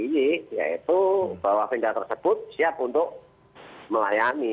yaitu bahwa venda tersebut siap untuk melayani